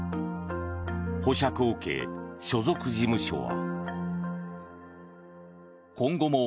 保釈を受け、所属事務所は。